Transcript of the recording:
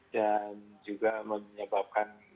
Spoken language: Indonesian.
dan juga menyebabkan